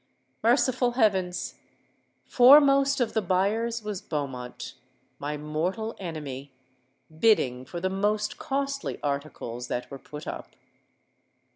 Merciful heavens! foremost of the buyers was Beaumont—my mortal enemy—bidding for the most costly articles that were put up.